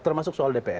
termasuk soal dpr